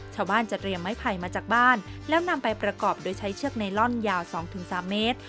ชาวบ้านจะเตรียมไม้ไผ่มาจากบ้านแล้วนำไปประกอบโดยใช้เชือกไนลอนยาว๒๓เมตร